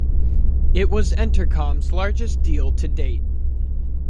It was Entercom's largest deal to date.